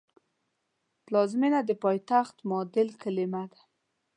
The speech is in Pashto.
پلازمېنه د پایتخت معادل کلمه ده